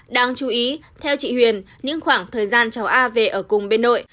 đáng chú ý theo chị huyền những khoảng thời gian cháu a về ở cùng bên nội